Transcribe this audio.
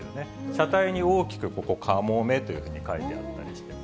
車体に大きくここ、かもめというふうに書いてあったりして。